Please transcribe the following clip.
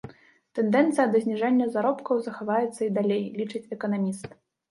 Тэндэнцыя да зніжэння заробкаў захаваецца і далей, лічыць эканаміст.